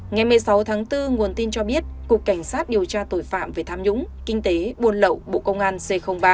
ngày một mươi sáu tháng bốn nguồn tin cho biết cục cảnh sát điều tra tội phạm về tham nhũng kinh tế buôn lậu bộ công an c ba